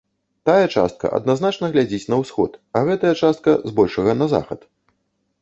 Тая частка адназначна глядзіць на ўсход, а гэтая частка, збольшага, на захад.